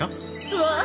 わあ！